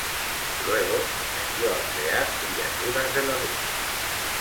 Luego aprendió a crear criaturas de la luz.